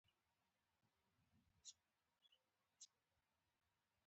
• غوره خلک په حاکمې طبقې پورې تړاو درلود.